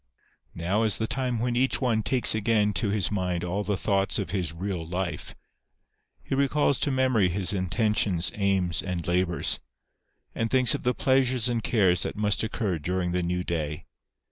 " Now is the time when each one takes again to his mind all the thoughts of his real life. He recalls to memory his intentions, aims, and labours; and thinks of the pleasures and cares that must occur during the new day.